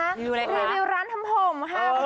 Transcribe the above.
รีวิวร้านทำผม